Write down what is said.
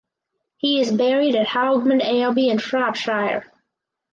He is buried at Haughmond Abbey in Shropshire.